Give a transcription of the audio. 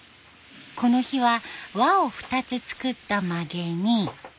この日は輪を２つ作ったまげに。